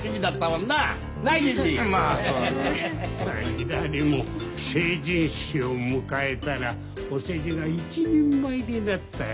ひらりも成人式を迎えたらお世辞が一人前になったよ。